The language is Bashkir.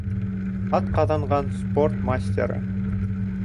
Атҡаҙанған спорт мастеры